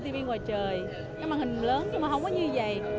tivi ngoài trời cái màn hình lớn nhưng mà không có như vậy